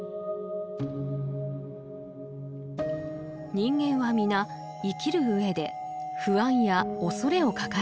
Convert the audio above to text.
人間は皆生きる上で不安や恐れを抱えています。